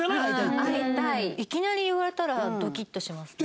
いきなり言われたらドキッとしますよね。